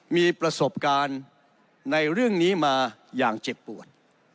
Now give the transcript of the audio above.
มีประสบการณ์ในเรื่องนี้มาอย่างเจ็บปวด